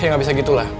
ya gak bisa gitu lah